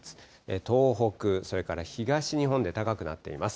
東北、それから東日本で高くなっています。